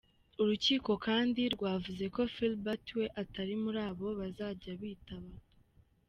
Urukiko kandi rwavuze ko Philbert we atari muri abo bazajya bitaba.